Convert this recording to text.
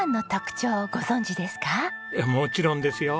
もちろんですよ。